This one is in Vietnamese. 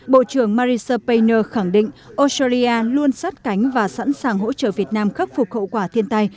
bộ trưởng mary spaner khẳng định australia luôn sát cánh và sẵn sàng hỗ trợ việt nam khắc phục khẩu quả thiên tai